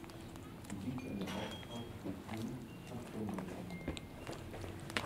Sie liegt an der Hauptstrasse von Thun nach Konolfingen.